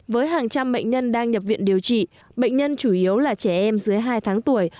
với hàng trăm bệnh nhân đang nhập viện điều trị bệnh nhân chủ yếu là trẻ em dưới hai tháng tuổi